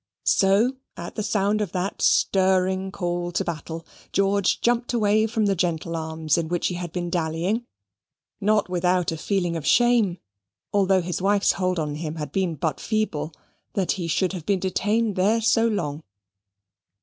So, at the sound of that stirring call to battle, George jumped away from the gentle arms in which he had been dallying; not without a feeling of shame (although his wife's hold on him had been but feeble), that he should have been detained there so long.